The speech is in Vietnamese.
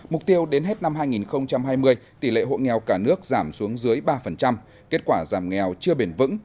mục tiêu đến hết năm hai nghìn hai mươi tỷ lệ hộ nghèo cả nước giảm xuống dưới ba kết quả giảm nghèo chưa bền vững